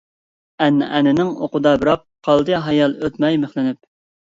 ئەنئەنىنىڭ ئوقىدا بىراق، قالدى ھايال ئۆتمەي مىخلىنىپ.